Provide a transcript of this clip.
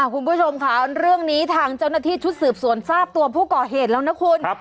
คุณผู้ชมค่ะเรื่องนี้ทางเจ้าหน้าที่ชุดสืบสวนทราบตัวผู้ก่อเหตุแล้วนะคุณ